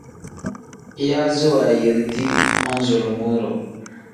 Yaazi wanyiridi manzulumuu-ro.